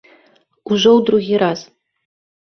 Ужо ў другі раз.